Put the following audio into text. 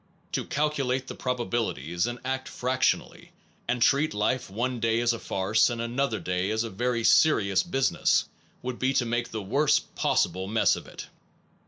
To calculate the probabilities and act fractionally, and treat life one day as a farce, and another day as a very serious business, would be to make the worst possible mess of it.